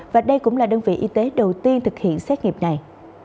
và đây cũng là đơn vị y tế đầu tiên thực hiện xét nghiệm này